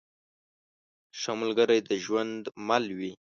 ښه ملګری د ژوند مل وي.